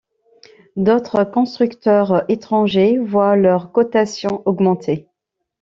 D'autres constructeurs étrangers voient leurs cotations augmenter.